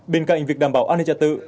bên cạnh việc đảm bảo an ninh trật tự